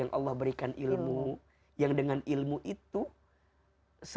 hadzilla baik hai pian itri ya light harmon raymi crystal